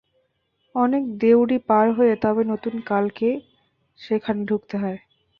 অনেক দেউড়ি পার হয়ে তবে নতুন কালকে সেখানে ঢুকতে হয়।